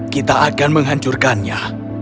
kita akan menghancurkannya